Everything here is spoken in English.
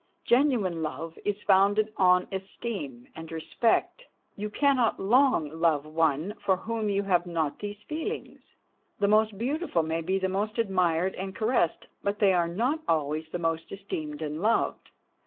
Genuine love is founded on esteem and respect. You can not long love one for whom you have not these feelings. The most beautiful may be the most admired and caressed, but they are not always the most esteemed and loved.